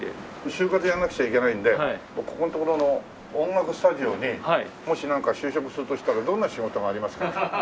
就活やらなくちゃいけないんでここの所の音楽スタジオにもしなんか就職するとしたらどんな仕事がありますか？